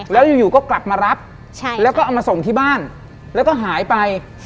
แล้วอยู่ก็กลับมารับแล้วก็เอามาส่งที่บ้านแล้วก็หายไป